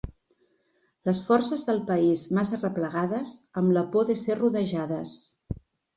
Les forces del país massa replegades, amb la por de ser rodejades.